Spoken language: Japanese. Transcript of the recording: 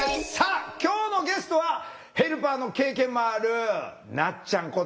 さあ今日のゲストはヘルパーの経験もあるなっちゃん